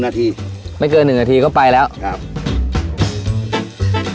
เสียชีวิตละไม่เกินหนึ่งนาทีไม่เกินหนึ่งนาทีก็ไปแล้วครับ